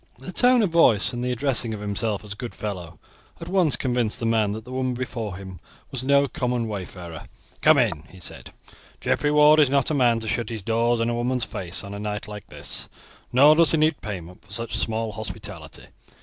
The tone of voice, and the addressing of himself as good fellow, at once convinced the man that the woman before him was no common wayfarer. "Come in," he said; "Geoffrey Ward is not a man to shut his doors in a woman's face on a night like this, nor does he need payment for such small hospitality.